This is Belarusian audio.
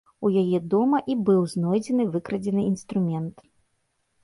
У яе дома і быў знойдзены выкрадзены інструмент.